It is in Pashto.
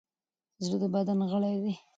زړه د بدن غړی دی.